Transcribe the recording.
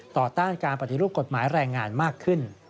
ต้านการปฏิรูปกฎหมายแรงงานมากขึ้น